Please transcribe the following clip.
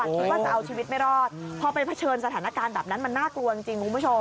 คิดว่าจะเอาชีวิตไม่รอดพอไปเผชิญสถานการณ์แบบนั้นมันน่ากลัวจริงคุณผู้ชม